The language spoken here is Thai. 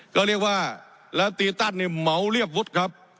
ก็เรียกว่าแล้วตีตันเนี่ยเหมาเรียบวุฒิครับ